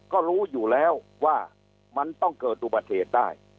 ก็รู้อยู่แล้วว่ามันต้องเกิดอุบัติเหตุได้